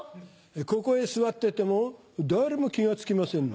ここへ座ってても誰も気が付きませんね。